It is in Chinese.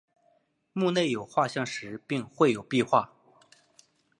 墓内有画像石并绘有壁画。